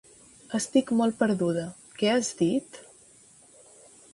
Estic molt perduda, què has dit?